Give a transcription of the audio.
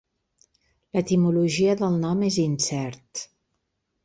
L'etimologia del nom és incert.